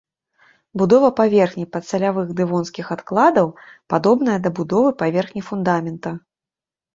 Будова паверхні падсалявых дэвонскіх адкладаў падобная да будовы паверхні фундамента.